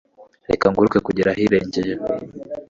reka nguruke kugera ahirengeye